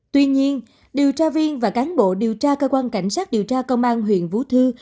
tuy nhiên điều tra viên và cán bộ điều tra cơ quan cảnh sát điều tra công an huyện vũ thư